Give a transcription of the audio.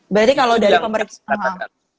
berarti kalau dari pemeriksaan